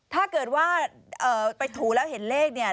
ถ้าเกิดว่าไปถูแล้วเห็นเลขเนี่ย